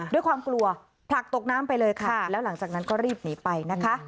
ด้วยความกลัวผลักตกน้ำไปเลยค่ะแล้วหลังจากนั้นก็รีบหนีไปนะคะ